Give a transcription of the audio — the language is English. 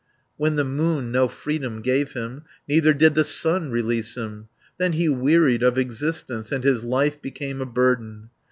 When the moon no freedom gave him, Neither did the sun release him, Then he wearied of existence, And his life became a burden.